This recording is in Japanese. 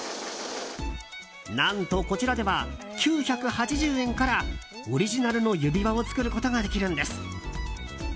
何と、こちらでは９８０円からオリジナルの指輪を作ることができるんです。